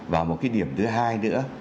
và một cái điểm thứ hai nữa